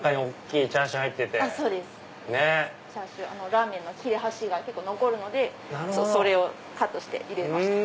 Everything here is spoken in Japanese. ラーメンの切れ端が結構残るのでそれをカットして入れました。